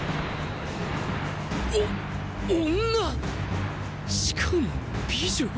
お女⁉しかも美女！へ？